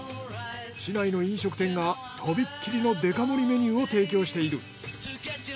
市内の飲食店がとびっきりのデカ盛りメニューを提供している。